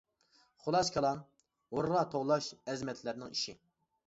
خۇلاسە كالام، ھۇررا توۋلاش ئەزىمەتلەرنىڭ ئىشى.